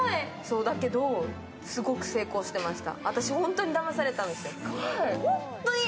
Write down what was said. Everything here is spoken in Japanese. だけど、すごく成功していました。